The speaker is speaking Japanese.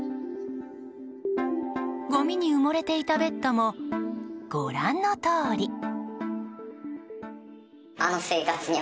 ごみに埋もれていたベッドもご覧のとおり。